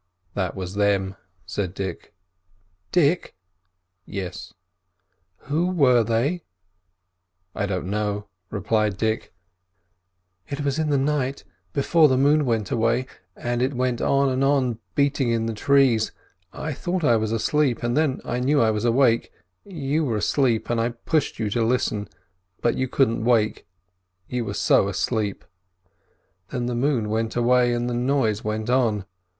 "That was them," said Dick. "Dick!" "Yes?" "Who were they?" "I don't know," replied Dick. "It was in the night, before the moon went away, and it went on and on beating in the trees. I thought I was asleep, and then I knew I was awake; you were asleep, and I pushed you to listen, but you couldn't wake, you were so asleep; then the moon went away, and the noise went on.